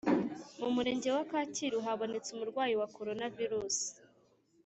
Mu murenge wa kacyiru habonetse umurwayi wa corona virusi